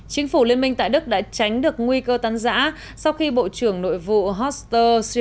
chính phủ liên minh tại đức đã tránh được nguy cơ tán giã sau khi bộ trưởng nội vụ horst w bush đã tham gia cuộc gặp các nghị sĩ mỹ